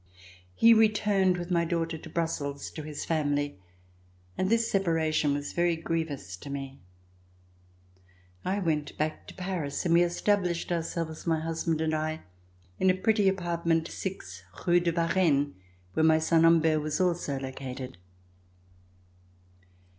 He returned with my daughter to Brussels to his family, and this separa tion was very grievous to me. I went back to Paris and we established ourselves, my husband and I, in a pretty apartment, 6 Rue de Varenne, where my son Humbert was also located.